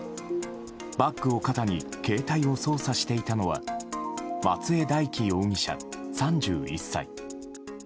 バッグを肩に携帯を操作していたのは松江大樹容疑者、３１歳。